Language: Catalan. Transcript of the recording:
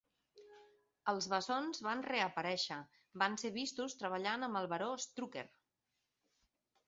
Els bessons van reaparèixer, van ser vistos treballant amb el baró Strucker.